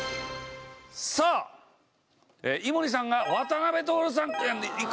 さあ井森さんが渡辺徹さん郁恵さん。